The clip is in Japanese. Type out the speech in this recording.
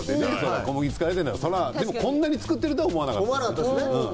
でもこんなに作ってるとは思わなかったですね。